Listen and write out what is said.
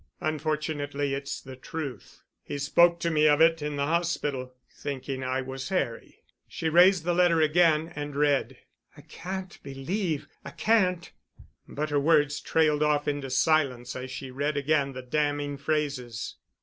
"Unfortunately it's the truth. He spoke to me of it in the hospital—thinking I was Harry——" She raised the letter again and read. "I can't believe—I can't——," but her words trailed off into silence as she read again the damning phrases.